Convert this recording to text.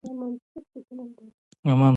څلورمه برخه پراختیا او رواجول دي.